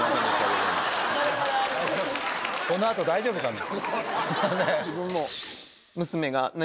この後大丈夫かな？